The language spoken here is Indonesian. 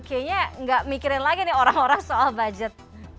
kayaknya nggak mikirin lagi nih orang orang soal budget